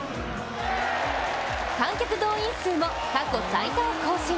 観客動員数も過去最多を更新。